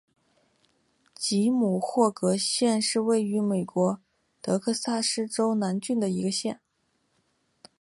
吉姆霍格县是位于美国德克萨斯州南部的一个县。